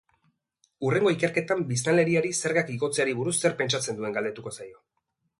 Hurrengo ikerketan biztanleriari zergak igotzeari buruz zer pentsatzen duen galdetuko zaio.